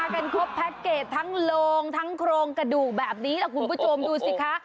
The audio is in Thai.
กันครบแพ็คเกจทั้งโลงทั้งโครงกระดูกแบบนี้แหละคุณผู้ชมดูสิคะ